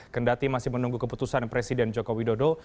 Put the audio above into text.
kendati masih menunggu keputusan presiden jokowi dodo